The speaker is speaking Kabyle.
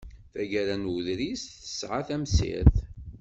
Tagara n uḍris tesɛa tamsirt.